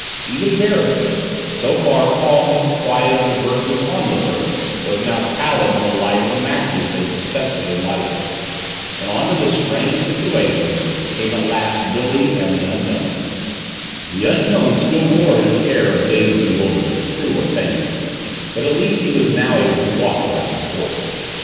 Even Beresford, so far calm with the quiet of the virtuous onlooker, was now pallid in the light of the matches they successively lighted. And onto this strained situation came at last Billy and the Unknown. The Unknown still wore his air of dazed bewilderment, true or feigned, but at least he was now able to walk without support.